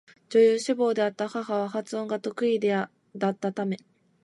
女優志望であった母は発声が得意だったため寝る時には必ず光に本を毎晩読み聞かせており、光は楽しみにしていた